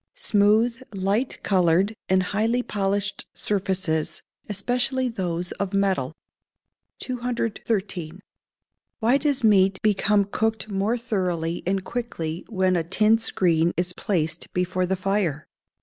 _ Smooth, light coloured, and highly polished surfaces, especially those of metal. 213. _Why does meat become cooked more thoroughly and quickly when a tin screen is placed before the fire?